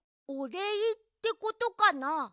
「おれい」ってことかな？